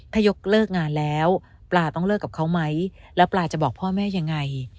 ถ้ายกเลิกงานแล้วปลาต้องเลิกกับเขาไหมแล้วปลาจะบอกพ่อแม่ยังไง